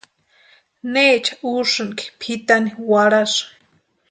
¿Necha úsïnki pʼitani warhasï?